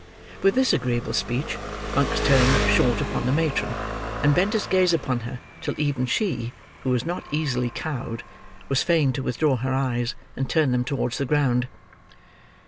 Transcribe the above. With this agreeable speech, Monks turned short upon the matron, and bent his gaze upon her, till even she, who was not easily cowed, was fain to withdraw her eyes, and turn them towards the ground.